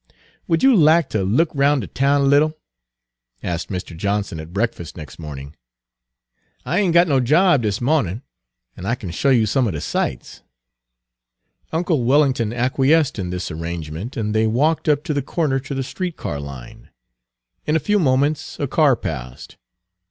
"Would you lack ter look 'roun' de town a little?" asked Mr. Johnson at breakfast next morning. "I ain' got no job dis mawnin', an' I kin show you some er de sights." Uncle Wellington acquiesced in this arrangement, and they walked up to the corner to the street car line. In a few moments a car passed.